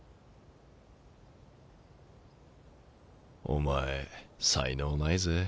お前才能ないぜ。